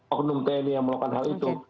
oknum tni yang melakukan hal itu